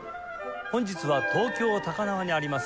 本日は東京高輪にあります